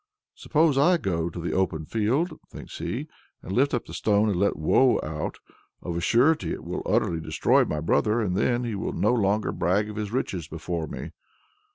"Suppose I go to the open field," thinks he, "and lift up the stone and let Woe out. Of a surety it will utterly destroy my brother, and then he will no longer brag of his riches before me!"